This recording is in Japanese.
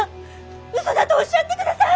うそだとおっしゃってください！